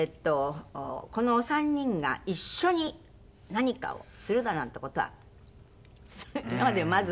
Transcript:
このお三人が一緒に何かをするだなんて事は今までまず。